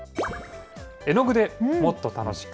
絵具でもっと楽しく！